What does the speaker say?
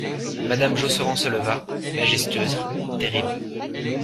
Madame Josserand se leva, majestueuse, terrible.